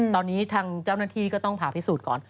ตอนนี้ทางเจ้าหน้าที่ก็ต้องผ่าพิสูจน์ก่อน